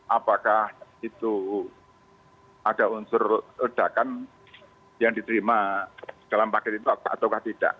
apakah itu ada unsur ledakan yang diterima dalam paket itu atau tidak